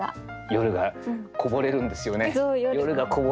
夜がこぼれるんですよ。